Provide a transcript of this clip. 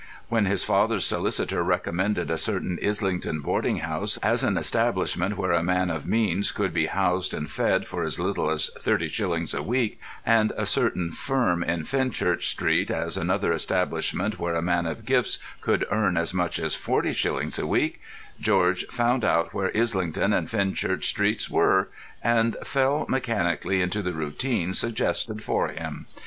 When his father's solicitor recommended a certain Islington boarding house as an establishment where a man of means could be housed and fed for as little as thirty shillings a week, and a certain firm in Fenchurch Street as another establishment where a man of gifts could earn as much as forty shillings a week, George found out where Islington and Fenchurch Street were, and fell mechanically into the routine suggested for him.